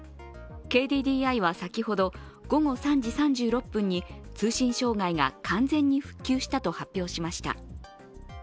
ＫＤＤＩは先ほど、午後３時３６分に通信障害が完全に復旧したと発表しました。